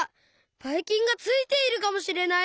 バイキンがついているかもしれない！